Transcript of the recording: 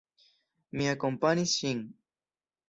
Mi akompanis ŝin.